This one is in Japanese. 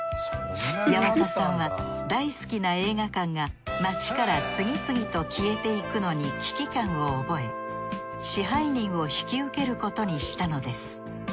八幡さんは大好きな映画館が街から次々と消えていくのに危機感を覚え支配人を引き受けることにしたのです。